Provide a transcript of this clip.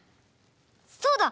そうだ！